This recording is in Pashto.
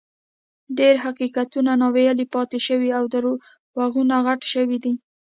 ډېر حقیقتونه ناویلي پاتې شوي او دروغونه غټ شوي دي.